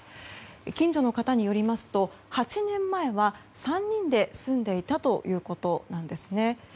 近所の方によりますと８年前は３人で住んでいたということなんです。